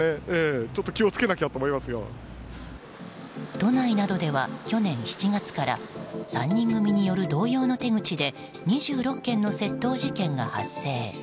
都内などでは去年７月から３人組による同様の手口で２６件の窃盗事件が発生。